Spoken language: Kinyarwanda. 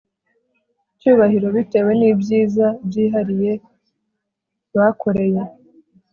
cyubahiro bitewe n ibyiza byihariye bakoreye